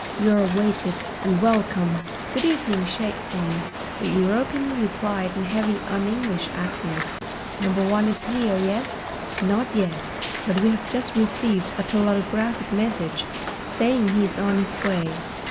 You are awaited—and welcome!" "Good evening, Shaik Tsin," the European replied in heavy un English accents. "Number One is here, yes?" "Not yet. But we have just received a telautographic message saying he is on his way."